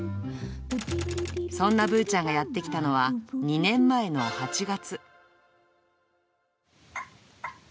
そんなぶーちゃんがやって来たのは、２年前の８月。